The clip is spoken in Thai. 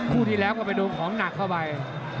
คู่ที่แล้วก็ไปโดนของหนักเข้าไป